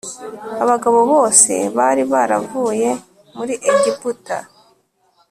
abagabo bose bari baravuye muri Egiputa